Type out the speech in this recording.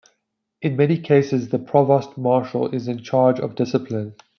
In many cases the provost marshal is in charge of discipline.